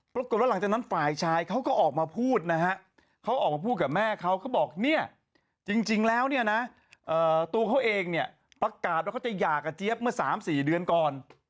ปรากฏว่าหลังจากนั้นฝ่ายชายเขาก็ออกมาพูดนะฮะเขาออกมาพูดกับแม่เขาเขาบอกเนี่ยจริงแล้วเนี่ยนะตัวเขาเองเนี่ยประกาศว่าเขาจะหย่ากับเจี๊ยบเมื่อ๓๔เดือนก่อน